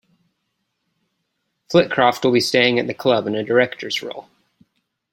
Flitcroft will be staying at the club in a director's role.